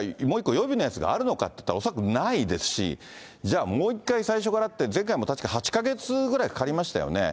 予備のやつがあるのかっていったら、恐らくないですし、じゃあもう１回、最初からって、前回も確か８か月ぐらいかかりましたよね。